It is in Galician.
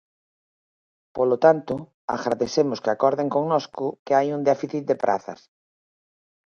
Polo tanto, agradecemos que acorden connosco que hai un déficit de prazas.